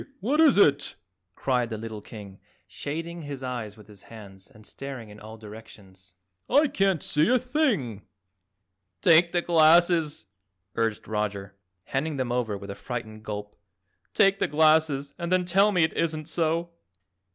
What is it?" cried the little King, shading his eyes with his hands and staring in all directions. "I can't see a thing." "Take the glasses," urged Roger, handing them over with a frightened gulp. "Take the glasses and then tell me it isn't so."